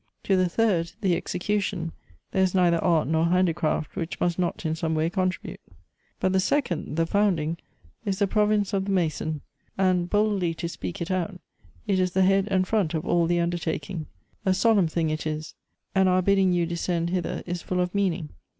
" To the third, the execution, there is neither art nor handicraft which must not in some way contribute. But the second, the founding, is the province of the mason; and, boldly to speak it out, it is the head and front of all the undertaking — a solemn thing it is — and our bidding you descend hither is full of meaning.